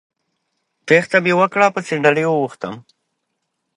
ازادي راډیو د امنیت په اړه د نېکمرغۍ کیسې بیان کړې.